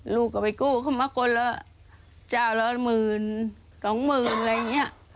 ลูกเอาไปกู้เขามาคนละจ้าละหมึน๒หมึนอะไรอย่างนี้